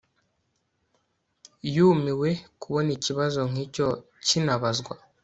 yumiwe kubona ikibazo nk'icyo kinabazwa